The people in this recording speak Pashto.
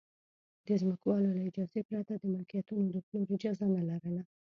د ځمکوالو له اجازې پرته د ملکیتونو د پلور اجازه نه لرله